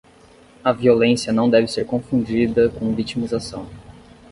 A violência não deve ser confundida com vitimização